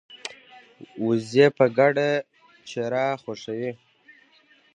وزې په ګډه چرا خوښوي